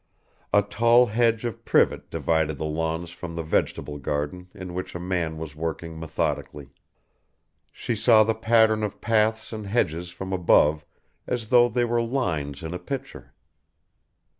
A tall hedge of privet divided the lawns from the vegetable garden in which a man was working methodically. She saw the pattern of paths and hedges from above as though they were lines in a picture.